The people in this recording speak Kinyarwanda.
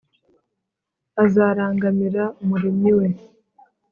azarangamira Umuremyi we